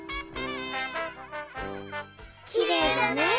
・きれいだね